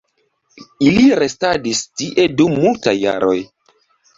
Ili restadis tie dum multaj jaroj.